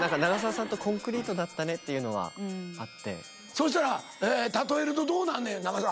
・そしたら例えるとどうなんねん長澤。